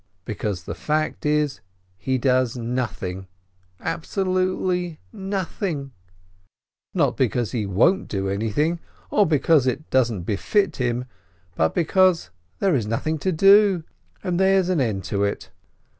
Because the fact is he does nothing, absolutely noth ing; not because he won't do anything, or because it doesn't befit him, but because there is nothing to do — and there's an end of it